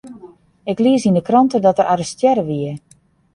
Ik lies yn 'e krante dat er arrestearre wie.